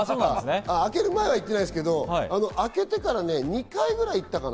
明ける前は行ってないですけど、明けてから２回ぐらい行ったかな。